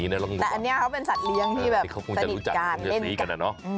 ไม่ได้แต่อันเนี้ยเขาเป็นสัตว์เลี้ยงที่แบบสดิบกันเอ็นกัน